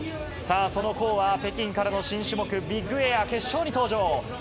さあ、その谷は北京からの新種目、ビッグエア決勝に登場。